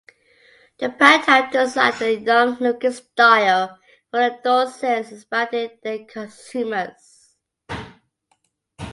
The brand have designed a young-looking style for adolescents, expanding their consumers.